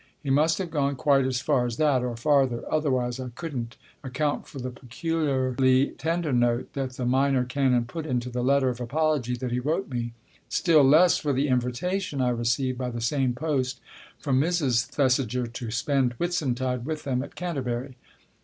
He must have gone quite as far as that, or farther, otherwise I couldn't account for the peculiarly tender note that the Minor Canon put into the letter of apology that he wrote me, still less for the invitation I received by the same post from Mrs. Thesiger to spend Whitsuntide with them at Canterbury.